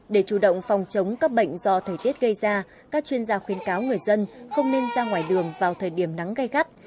để chủ động phòng chống các bệnh do thời tiết gây ra các chuyên gia khuyến cáo người dân không nên ra ngoài đường vào thời điểm nắng gây gắt